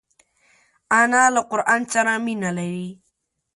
انا له قران سره مینه لري